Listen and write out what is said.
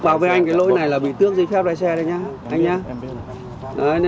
bảo vệ anh cái lỗi này là bị tước giấy phép ra xe đây nhé